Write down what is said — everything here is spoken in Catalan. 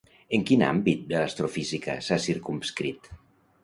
En quin àmbit de l'astrofísica s'ha circumscrit?